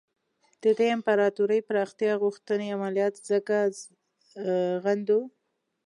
د دې امپراطوري پراختیا غوښتنې عملیات ځکه غندو.